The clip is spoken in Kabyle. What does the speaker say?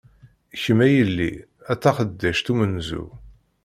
Kem a yell-i, a taxeddact umenzu!